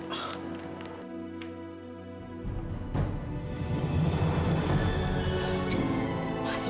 aku mau pergi ke rumah